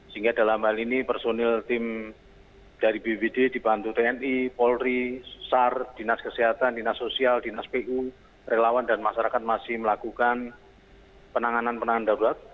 sehingga dalam hal ini personil tim dari bbd dibantu tni polri sar dinas kesehatan dinas sosial dinas pu relawan dan masyarakat masih melakukan penanganan penanganan darurat